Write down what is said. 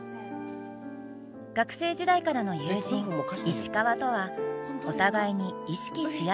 学生時代からの友人石川とはお互いに意識し合っている間柄。